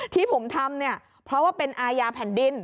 ที่ผมทำเนี่ยเพราะว่าเป็นอาญาแผ่นดิน